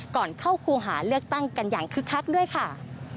ก่อนเข้าครูหาเลือกตั้งกันอย่างคึกคักด้วยค่ะ